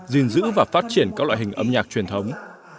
gìn giữ và phát triển các loại hình âm nhạc truyền thống